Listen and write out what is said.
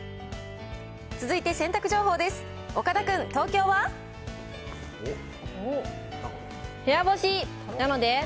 続いて洗濯情報です。